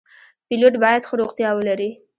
پیلوټ باید ښه روغتیا ولري.